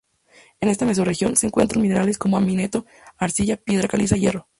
En esta mesorregión se encuentran minerales como amianto, arcilla, piedra caliza y hierro.